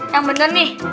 yang benar nih